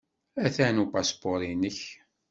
Atan upaspuṛ-nnek.